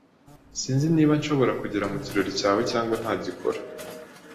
Sinzi niba nshobora kugera mu kirori cyawe cyangwa ntagikora.